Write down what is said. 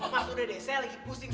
mas udah deh saya lagi pusing